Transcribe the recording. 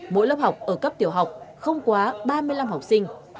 mỗi lớp học ở cấp tiểu học không quá ba mươi năm học sinh